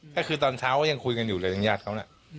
ก็คือตอนเช้าก็ยังคุยกันอยู่เลยทางญาติเขาน่ะ